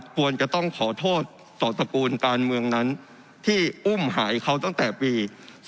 ควรจะต้องขอโทษต่อตระกูลการเมืองนั้นที่อุ้มหายเขาตั้งแต่ปี๒๕๖